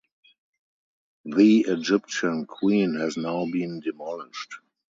The Egyptian Queen has now been demolished.